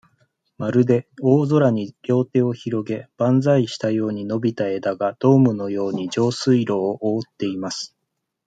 まるで、大空に両手を広げ、バンザイしたように伸びた枝が、ドームのように、上水路をおおっています。